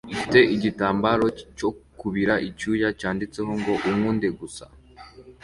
ifite igitambaro cyo kubira icyuya cyanditseho ngo "unkunde gusa"